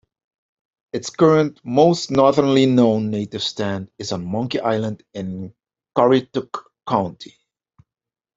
Its current most northerly known native stand is on Monkey Island in Currituck County.